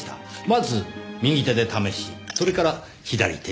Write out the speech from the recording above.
まず右手で試しそれから左手に変える。